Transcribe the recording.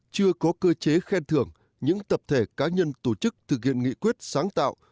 chưa có cơ chế khen thưởng những tập thể cá nhân tổ chức thực hiện nghị quyết sáng tạo